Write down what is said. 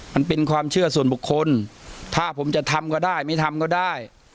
มันเป็นความเชื่อส่วนบุคคลถ้าผมจะทำก็ได้ไม่ทำก็ได้